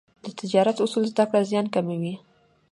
د تجارت اصول زده کړه، زیان کموي.